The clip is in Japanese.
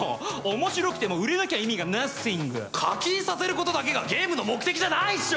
面白くても売れなきゃ意味がナッシング課金させることだけがゲームの目的じゃないっしょ！